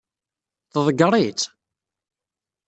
Tḍeggeṛ-itt?